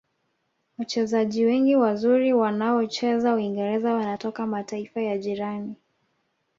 wachezaji wengi wazuri waonaocheza uingereza wanatoka mataifa ya jirani